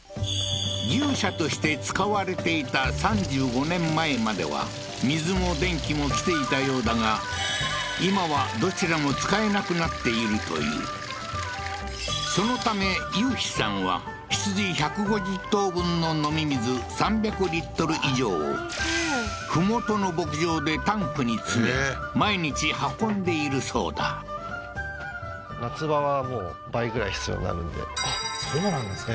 牛舎として使われていた３５年前までは水も電気も来ていたようだが今はどちらも使えなくなっているというそのため雄飛さんは羊１５０頭分の飲み水３００以上を麓の牧場でタンクに詰め毎日運んでいるそうだあっそうなんですか